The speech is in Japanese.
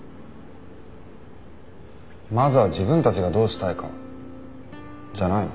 まずは自分たちがどうしたいかじゃないの？